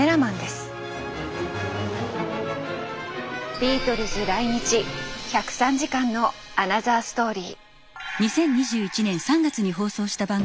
ビートルズ来日１０３時間のアナザーストーリー。